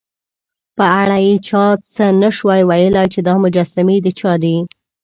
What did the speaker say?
په اړه یې چا څه نه شوای ویلای، چې دا مجسمې د چا دي.